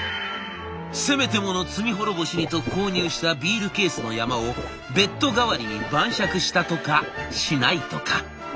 せめてもの罪滅ぼしにと購入したビールケースの山をベッド代わりに晩酌したとかしないとか。